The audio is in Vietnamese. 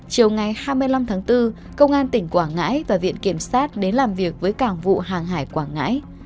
chiều ngày hai mươi năm tháng bốn công an tỉnh quảng ngãi và viện kiểm sát đến làm việc với cảng vụ hàng hải quảng ngãi